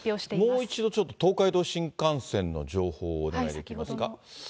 もう一度ちょっと、東海道新幹線の情報をお願いできますか。